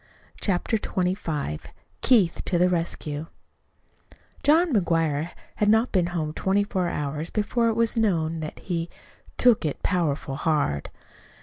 CHAPTER XXV KEITH TO THE RESCUE John McGuire had not been home twenty four hours before it was known that he "took it powerful hard."